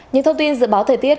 những thông tin dự báo thời tiết